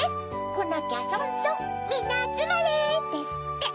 こなきゃそんそんみんなあつまれ！」ですって。